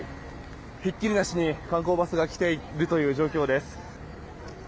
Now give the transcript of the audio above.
ひっきりなしに観光バスが来ているという状況です。